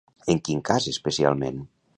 En quin cas especialment?